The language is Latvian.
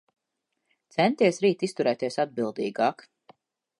Centies rīt izturēties atbildīgāk.